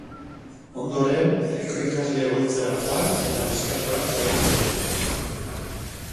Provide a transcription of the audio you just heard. Ondoren, herriko ikasle-egoitzara joan eta neskatoak bahitu zituzten.